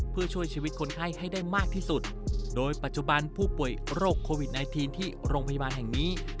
เพื่อช่วยชีวิตคนไข้ให้ได้มากที่สุดโดยปัจจุบันผู้ป่วยโรคโควิด๑๙ที่โรงพยาบาลแห่งนี้